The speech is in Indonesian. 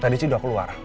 tadi sih udah keluar